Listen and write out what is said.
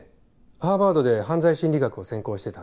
ハーバードで犯罪心理学を専攻してたんで。